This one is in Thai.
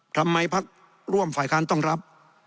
พักร่วมฝ่ายค้านต้องรับ